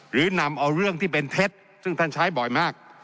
หรือนำเอาเรื่องที่เป็นเท็จซึ่งท่านใช้บ่อยมาก